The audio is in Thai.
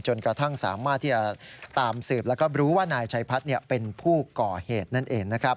กระทั่งสามารถที่จะตามสืบแล้วก็รู้ว่านายชัยพัฒน์เป็นผู้ก่อเหตุนั่นเองนะครับ